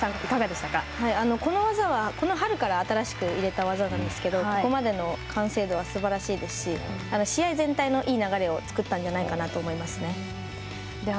この技はこの春から新しく入れた技なんですけれども、ここまでの完成度はすばらしいですし、試合全体のいい流れを作ったんじゃないかなと思いますね。